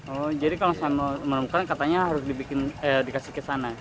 oh jadi kalau sama menemukan katanya harus dikasih ke sana